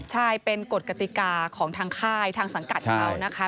ใช่เป็นกฎกติกาของทางค่ายทางสังกัดเขานะคะ